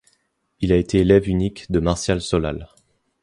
Il a été élève unique de Martial Solal.